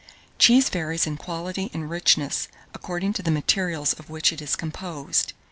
1621. Cheese varies in quality and richness according to the materials of which it is composed.